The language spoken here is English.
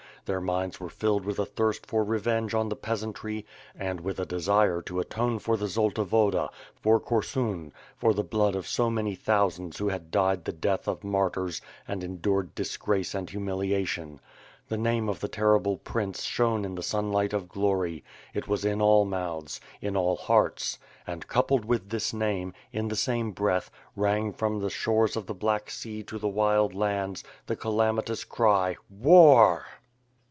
Their minds were filled with a thirst for revenge on the peasantry and with a desire to atone for the Zolta Woda, for Korsun, for the blood of so many thousands who had died the death of martyrs and endured disgrace and humiliation. The name of the terrible prince shone in the sunlight of glory — it was in all mouths, in all hearts and, coupled with this name, in the same breath, rang, from the shores of the Black Sea to the Wild Lands the calamitous cry, "War!"